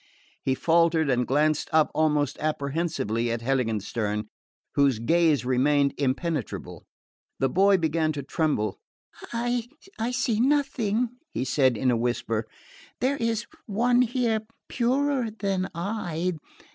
He faltered and glanced up almost apprehensively at Heiligenstern, whose gaze remained impenetrable. The boy began to tremble. "I see nothing," he said in a whisper. "There is one here purer than I...